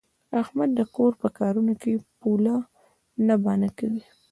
احمد د کور په کارونو کې پوله نه بانه کوي.